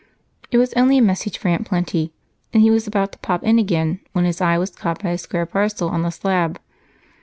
It was only a message for Aunt Plenty, and he was about to pop in again when his eye was caught by a square parcel on the slab.